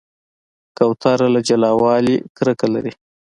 کوتره له جلاوالي نه کرکه لري.